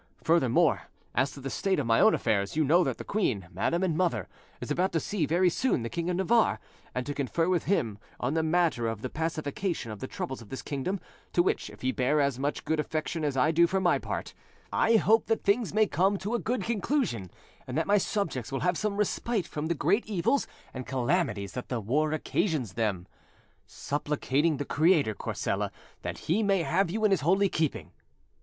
Furthermore, as to the state of my own affairs, you know that the queen, madam and mother, is about to see very soon the King of Navarre, and to confer with him on the matter of the pacification of the troubles of this kingdom, to which, if he bear as much good affection as I do for my part, I hope that things may come to a good conclusion, and that my subjects will have some respite from the great evils and calamities that the war occasions them: supplicating the Creator, Courcelles, that He may have you in His holy keeping.